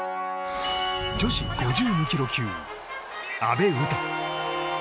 女子５２ｋｇ級、阿部詩。